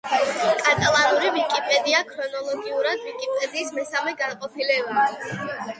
კატალანური ვიკიპედია ქრონოლოგიურად ვიკიპედიის მესამე განყოფილებაა.